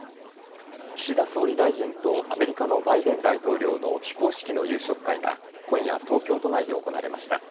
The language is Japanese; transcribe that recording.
岸田総理大臣とアメリカのバイデン大統領の非公式の夕食会が今夜、東京都内で行われました。